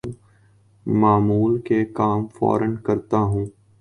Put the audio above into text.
معمول کے کام فورا کرتا ہوں